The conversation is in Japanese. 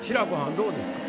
どうですか？